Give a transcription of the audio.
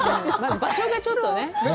場所がちょっとね。